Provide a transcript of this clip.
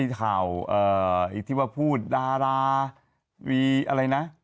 นัตรราช